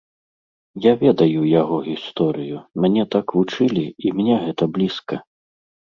Я ведаю яго гісторыю, мяне так вучылі і мне гэта блізка.